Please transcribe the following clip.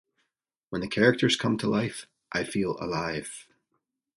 When the characters come to life I feel alive.